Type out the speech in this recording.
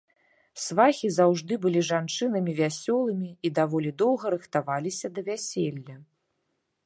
Свахі заўжды былі жанчынамі вясёлымі і даволі доўга рыхтаваліся да вяселля.